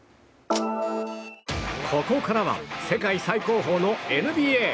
ここからは世界最高峰のＮＢＡ。